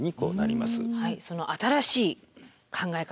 その新しい考え方